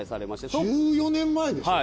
１４年前でしょ？